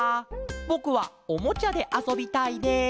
ぼくはおもちゃであそびたいです」。